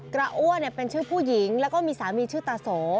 อ้วนเป็นชื่อผู้หญิงแล้วก็มีสามีชื่อตาโส